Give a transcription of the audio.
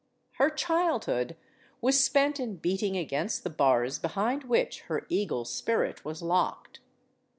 Her childhood was spent in beating against the bars behind which her eagle spirit was locked.